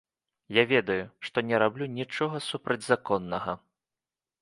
Я ведаю, што не раблю нічога супрацьзаконнага.